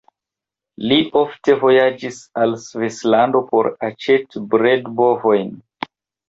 Li ofte vojaĝis al Svislando por aĉeti bredbovojn.